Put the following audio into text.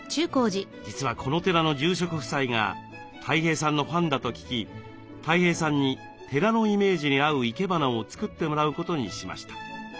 実はこの寺の住職夫妻がたい平さんのファンだと聞きたい平さんに寺のイメージに合う生け花を作ってもらうことにしました。